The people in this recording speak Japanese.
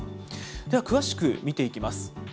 では詳しく見ていきます。